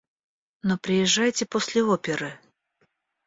Но приезжайте после оперы.